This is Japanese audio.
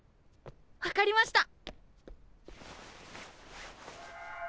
分かりました！